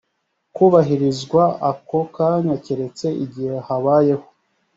kubahirizwa ako kanya keretse igihe habayeho